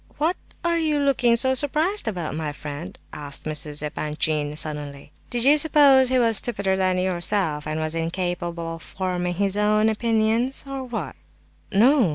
"What are you looking so surprised about, my friend?" asked Mrs. Epanchin, suddenly. "Did you suppose he was stupider than yourself, and was incapable of forming his own opinions, or what?" "No!